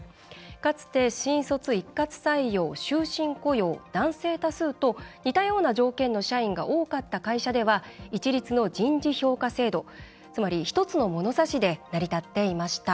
かつて、新卒一括採用、終身雇用男性多数と似たような条件の社員が多かった会社では一律の人事評価制度つまり、１つのものさしで成り立っていました。